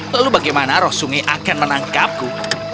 lalu bagaimana roh sungai akan menangkapku